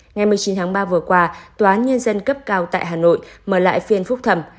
ngày một mươi chín tháng ba vừa qua tòa án nhân dân cấp cao tại hà nội mở lại phiên phúc thẩm